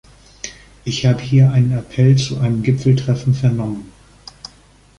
Ich habe hier einen Appell zu einem Gipfeltreffen vernommen.